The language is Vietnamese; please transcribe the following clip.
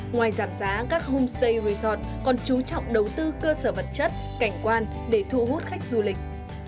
ngoài giảm giá các homestay resort còn chú trọng đầu tư cơ sở vật chất cảnh quan để thu hút khách du lịch